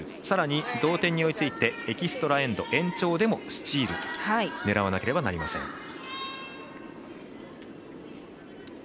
さらに同点に追いついてエキストラ・エンド、延長でもスチールを狙わなくてはいけません。